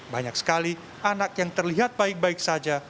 banyak sekali anak yang terlihat baik baik saja